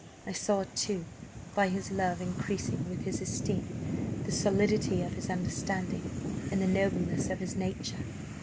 I saw, too, by his love increasing with his esteem, the solidity of his understanding, and the nobleness of his nature.